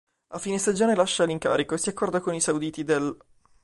A fine stagione lascia l'incarico e si accorda con i sauditi dell'.